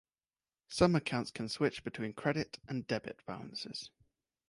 Some accounts can switch between credit and debit balances.